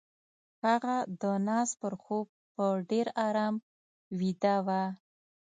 هغه د ناز پر خوب په ډېر آرام ويده وه.